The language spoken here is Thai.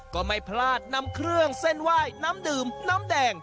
ก็ไม่พลาดนำเครื่องเส้นไหว้น้ำดื่มน้ำแดง